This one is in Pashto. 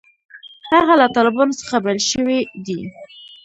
هغه له طالبانو څخه بېل شوی دی.